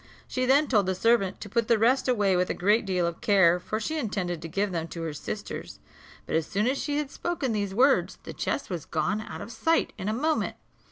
She then told the servant to put the rest away with a great deal of care, for she intended to give them to her sisters; but as soon as she had spoken these words the chest was gone out of sight in a moment.